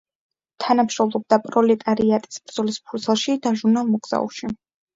თანამშრომლობდა „პროლეტარიატის ბრძოლის ფურცელში“ და ჟურნალ „მოგზაურში“.